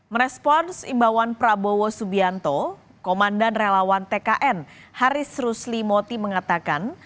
merespons imbauan prabowo subianto komandan relawan tkn haris rusli moti mengatakan